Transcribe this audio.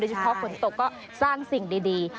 เฉพาะฝนตกก็สร้างสิ่งดี